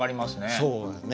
そうだね。